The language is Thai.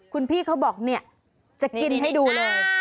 คุณพี่เขาบอกเนี่ยจะกินให้ดูเลย